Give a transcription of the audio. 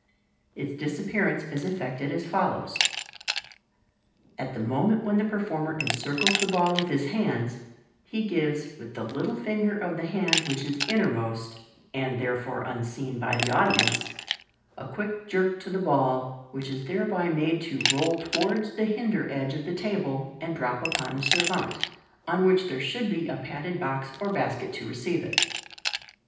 Its disappearance is effected as follows :— At the moment when the performer encircles the ball with his hands, he gives, with the little finger of the hand which is inner most and therefore unseen by the audience — a quick jerk to the ball, which is thereby made to roll towards the hinder edge of the table, and drop upon the se^vante, on which there should be a padded box or basket to receive it.